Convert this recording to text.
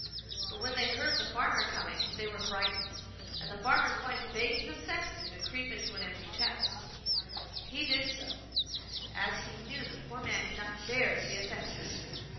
But when they heard the farmer coming they were frightened, and the farmer's wife begged the sexton to creep into a great empty chest. He did so, as he knew the poor man could not bear to see a sexton.